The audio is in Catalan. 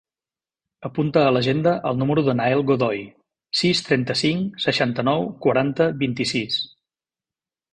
Apunta a l'agenda el número del Nael Godoy: sis, trenta-cinc, seixanta-nou, quaranta, vint-i-sis.